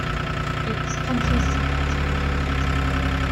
Its county seat is Wolf Point.